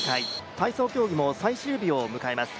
体操競技も最終日を迎えます。